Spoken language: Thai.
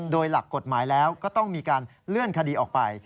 โดยหลักกฎหมายแล้วก็ต้องมีการเลื่อนคดีออกไป